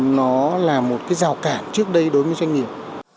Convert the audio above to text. nó là một cái rào cản trước đây đối với doanh nghiệp